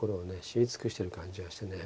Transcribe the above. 知り尽くしてる感じがしてね。